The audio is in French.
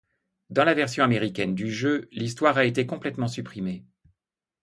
Dans la version américaine du jeu, l'histoire a été complètement supprimée.